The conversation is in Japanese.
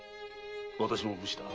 私も武士だ。